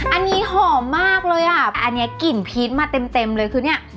อันนี้หอมมากเลยอ่ะอันนี้กลิ่นพีชมาเต็มเต็มเลยคือเนี้ย